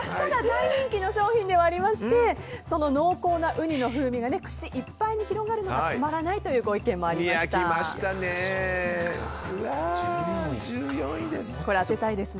大人気の商品ではありまして濃厚なウニの風味が口いっぱいに広がるのがたまらないという１４位です。